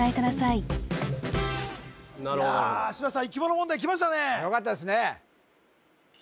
いや生き物問題きましたねよかったですね